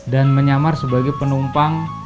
dan menyamar sebagai penumpang